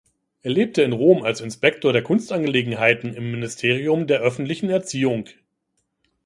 Er lebte in Rom als Inspektor der Kunstangelegenheiten im Ministerium der öffentlichen Erziehung.